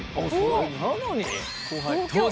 なのに！